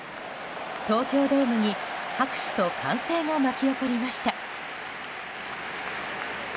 東京ドームに拍手と歓声が巻き起こりました。